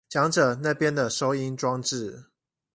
講者那邊的收音裝置